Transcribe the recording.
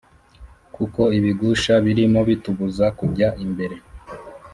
Kuko ibigusha birimo Bitubuza kujya imbere.